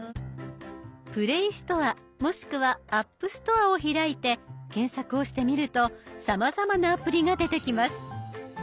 ＰｌａｙストアもしくはＡｐｐＳｔｏｒｅを開いて検索をしてみるとさまざまなアプリが出てきます。